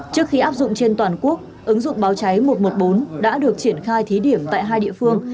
trước khi áp dụng trên toàn quốc ứng dụng báo cháy một trăm một mươi bốn đã được triển khai thí điểm tại hai địa phương